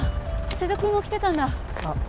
瀬戸くんも来てたんだあっ